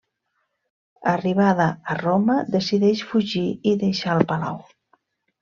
Arribada a Roma, decideix fugir i deixar el palau.